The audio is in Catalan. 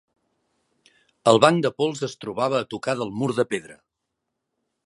El banc de pols es trobava a tocar del mur de pedra.